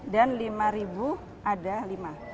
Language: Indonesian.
dan lima ribu ada lima